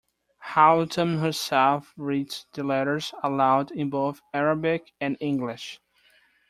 Hatoum herself reads the letters aloud in both Arabic and English.